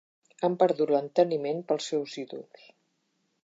Han perdut l'enteniment pels seus ídols.